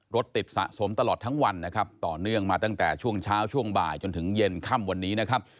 รถติดสะสมตลอดทั้งวันนะครับต่อเนื่องมาตั้งแต่ช่วงเช้าช่วงบ่ายจนถึงเย็นค่ำวันนี้นะครับ